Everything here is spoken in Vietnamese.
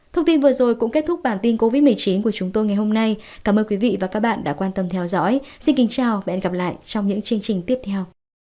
thông tin vừa rồi cũng kết thúc bản tin covid một mươi chín của chúng tôi ngày hôm nay cảm ơn quý vị và các bạn đã quan tâm theo dõi xin kính chào và hẹn gặp lại trong những chương trình tiếp theo